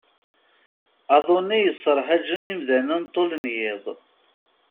Aḍu-nni yesserhajen imdaden ṭul n yiḍ.